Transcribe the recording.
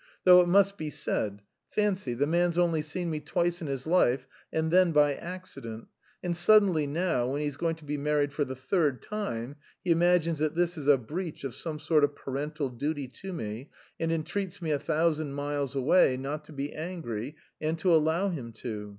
though it must be said; fancy, the man's only seen me twice in his life and then by accident. And suddenly now, when he's going to be married for the third time, he imagines that this is a breach of some sort of parental duty to me, and entreats me a thousand miles away not to be angry and to allow him to.